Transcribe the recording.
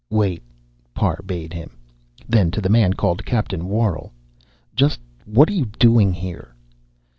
"Wait," Parr bade him. Then, to the man called Captain Worrall: "Just what are you doing here?"